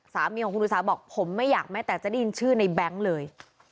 สามีของคุณอุสาบอกผมไม่อยากแม้แต่จะได้ยินชื่อในแบงค์เลย